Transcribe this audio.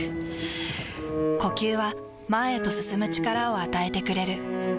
ふぅ呼吸は前へと進む力を与えてくれる。